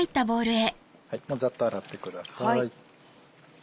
ザッと洗ってください。